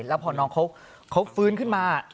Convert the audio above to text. แล้วพอน้องเขาฟื้นขึ้นมา